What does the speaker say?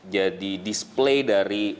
jadi display dari